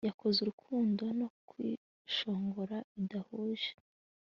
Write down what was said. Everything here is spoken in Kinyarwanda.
Yakoze urukundo no kwishongora bidahuje